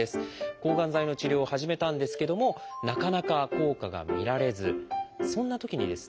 抗がん剤の治療を始めたんですけどもなかなか効果が見られずそんなときにですね